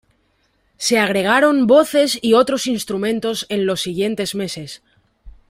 Se agregaron voces y otros instrumentos en los siguientes meses.